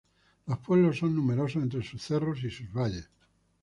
Los pueblos son numerosos entre sus cerros y sus valles.